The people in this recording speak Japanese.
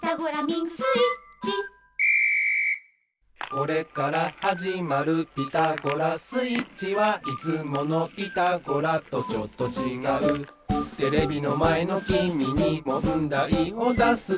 「これからはじまる『ピタゴラスイッチは』」「いつもの『ピタゴラ』とちょっとちがう」「テレビのまえのきみにもんだいをだすぞ」